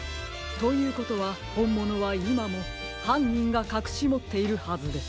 ということはほんものはいまもはんにんがかくしもっているはずです。